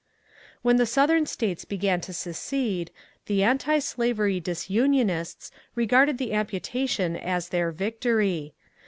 When the Southern States began to secede, the antislavery disunionists regarded the amputation as their victory.